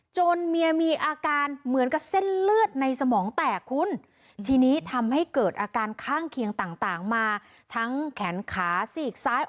ฉีดมากเกินไป